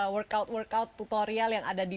workout workout tutorial yang ada di